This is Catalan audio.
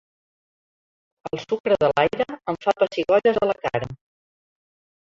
El sucre de l'aire em fa pessigolles a la cara.